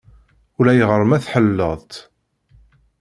Ulayɣer ma tḥelleleḍ-t.